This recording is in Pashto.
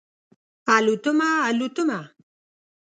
الوتمه، الوتمه